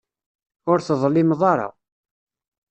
Ur teḍlimeḍ ara.